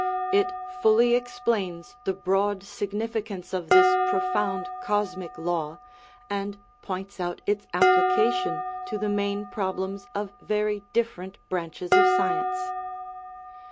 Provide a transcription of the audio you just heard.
It fully explains the broad significance of this profound cosmic law, and points out its application to the main problems of very different branches of science.